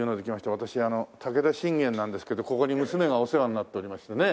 私武田信玄なんですけどここに娘がお世話になっておりましてね。